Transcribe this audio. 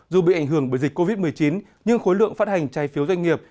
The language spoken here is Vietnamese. dù bị ảnh hưởng bởi dịch covid một mươi chín nhưng khối lượng phát hành trái phiếu doanh nghiệp